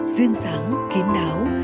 duyên sáng kiến đáo